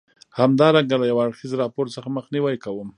همدارنګه له یو اړخیز راپور څخه مخنیوی کوم.